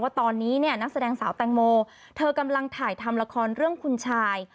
ตอนนี้เนี่ยนักแสดงสาวแตงโมเธอกำลังถ่ายทำละครเรื่องคุณชาย